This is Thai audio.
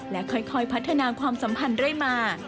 และค่อยพัฒนาความสัมพันธ์ได้มา